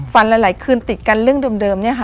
หลายคืนติดกันเรื่องเดิมเนี่ยค่ะ